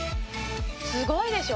すごいでしょ？